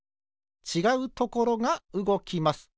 ちがうところがうごきます。